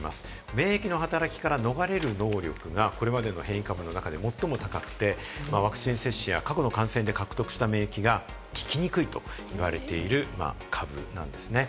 免疫の働きから逃れる能力が、これまでの変異株の中で最も高くて、ワクチン接種や過去の感染で獲得した免疫が効きにくいと言われている、株なんですね。